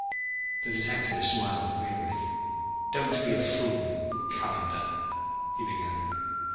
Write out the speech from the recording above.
The detective smiled wearily. "Don't be a fool, Calendar," he began.